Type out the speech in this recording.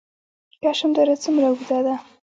کشم دره څومره اوږده ده؟